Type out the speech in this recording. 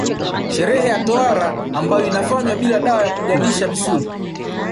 Sherehe ya tohara ambayo inafanywa bila dawa ya kugandisha misuli